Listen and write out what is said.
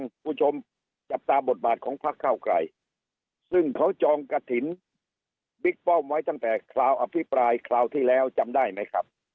คุณผู้ชมจับตาบทบาทของพักเก้าไกลซึ่งเขาจองกระถิ่นบิ๊กป้อมไว้ตั้งแต่คราวอภิปรายคราวที่แล้วจำได้ไหมครับ